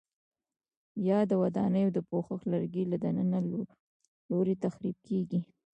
یا د ودانیو د پوښښ لرګي له دننه لوري تخریب کېږي؟